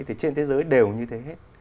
thì trên thế giới đều như thế hết